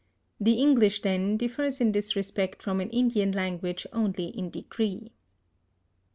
The English, then, differs in this respect from an Indian language only in degree.